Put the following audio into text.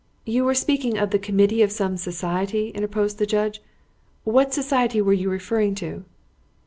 "You were speaking of the committee of some society," interposed the judge. "What society were you referring to?"